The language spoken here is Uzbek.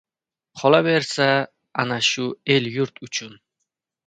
Qola bersa, ana shu el-yurt uchun!